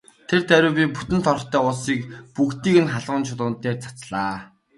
Тэр даруй би бүтэн торхтой усыг бүгдийг нь халуун чулуунууд дээр цацлаа.